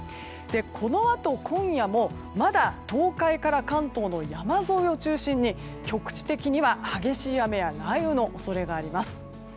このあと今夜もまだ東海から関東の山沿いを中心に局地的には激しい雨や雷雨の恐れがあります。